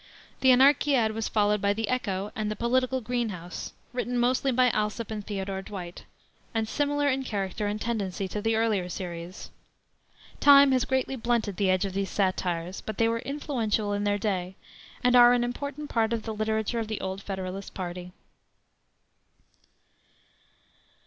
The Anarchiad was followed by the Echo and the Political Green House, written mostly by Alsop and Theodore Dwight, and similar in character and tendency to the earlier series. Time has greatly blunted the edge of these satires, but they were influential in their day, and are an important part of the literature of the old Federalist party.